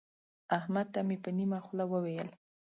احمد ته مې په نيمه خوله وويل.